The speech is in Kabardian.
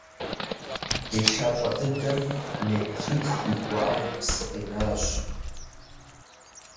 И лъащӀэ дыдэм метритху и куууагъыу псы къинащ.